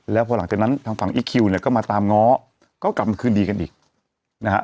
แล้วพอหลังจากนั้นทางฝั่งอีคคิวเนี่ยก็มาตามง้อก็กลับมาคืนดีกันอีกนะฮะ